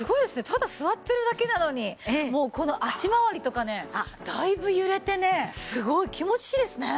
ただ座ってるだけなのにもうこの脚回りとかねだいぶ揺れてねすごい気持ちいいですね。